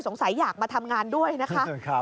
อยากมาทำงานด้วยนะคะ